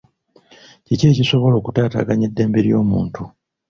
Kiki ekisobola okutaataaganya eddembe lyomuntu?